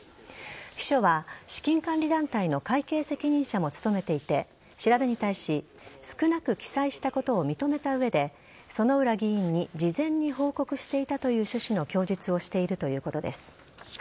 秘書は資金管理団体の会計責任者も務めていて調べに対し少なく記載したことを認めた上で薗浦議員に事前に報告していたという趣旨の供述をしているということです。